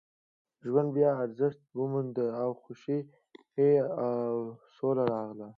ژوند بیا ارزښت وموند او خوښۍ او سوله راغله